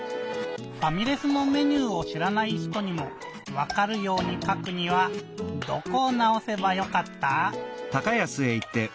ファミレスのメニューをしらない人にもわかるようにかくにはどこをなおせばよかった？